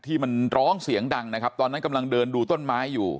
ที่มันร้องเสียงดังนะครับตอนนั้นกำลังเดินดูต้นไม้อยู่